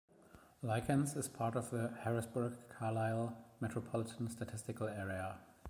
Lykens is part of the Harrisburg-Carlisle Metropolitan Statistical Area.